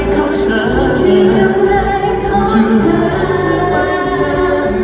จะรักเธอไปไม่นาน